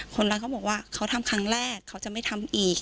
คนร้ายเขาบอกว่าเขาทำครั้งแรกเขาจะไม่ทำอีก